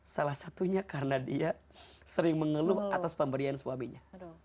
salah satunya karena dia sering mengeluh atas pemberian suaminya